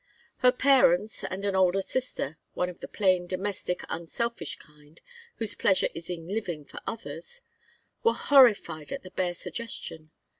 Her parents and an older sister one of the plain, domestic, unselfish kind, whose pleasure is in living for others were horrified at the bare suggestion.